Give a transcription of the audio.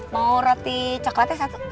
mau roti coklatnya satu